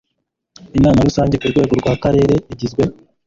inama rusange ku rwego rw akarere igizwe